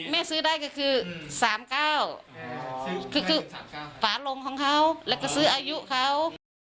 ซื้อได้ก็คือ๓๙คือฝาลงของเขาแล้วก็ซื้ออายุเขา